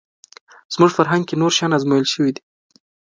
زموږ فرهنګ کې نور شیان ازمویل شوي دي